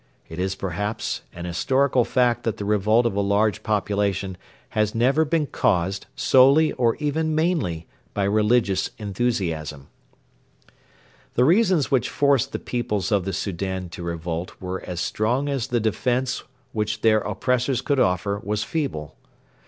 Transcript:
It is, perhaps, an historical fact that the revolt of a large population has never been caused solely or even mainly by religious enthusiasm. The reasons which forced the peoples of the Soudan to revolt were as strong as the defence which their oppressors could offer was feeble.